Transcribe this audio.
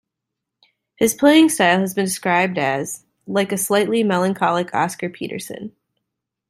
His playing style has been described as ...like a slightly melancholic Oscar Peterson.